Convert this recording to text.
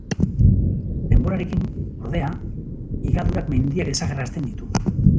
Denborarekin, ordea, higadurak mendiak desagerrarazten ditu.